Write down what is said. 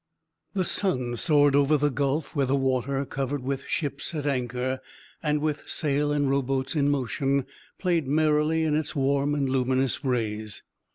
The sun soared over the gulf, where the water, covered with ships at anchor, and with sail and row boats in motion, played merrily in its warm and luminous rays.